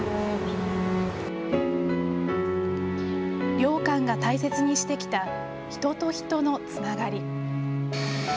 良寛が大切にしてきた人と人のつながり。